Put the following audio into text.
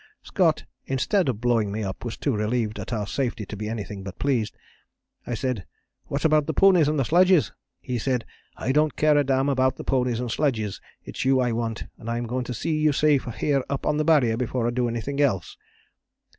"Scott, instead of blowing me up, was too relieved at our safety to be anything but pleased. I said: 'What about the ponies and the sledges?' He said: 'I don't care a damn about the ponies and sledges. It's you I want, and I am going to see you safe here up on the Barrier before I do anything else.'